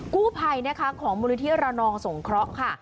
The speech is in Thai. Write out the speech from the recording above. กู้ไพรนะคะของมูลิเทียร์ระนองสงเคราะห์ค่ะ